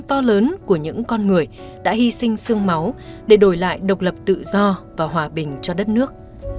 to lớn của những con người đã hy sinh sương máu để đổi lại độc lập tự do và hòa bình cho đất nước